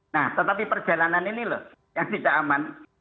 nah tetapi perjalanan ini loh yang tidak aman